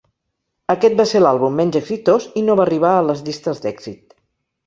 Aquest va ser l'àlbum menys exitós i no va arribar a les "Llistes d'èxit".